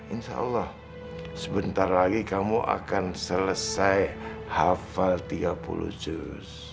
insya allah sebentar lagi kamu akan selesai hafal tiga puluh juz